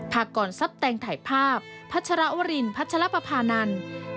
พากรทรัพย์แตงถ่ายภาพพัชรวรินพัชรปภานันทร์